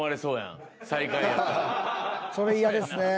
それ嫌ですね。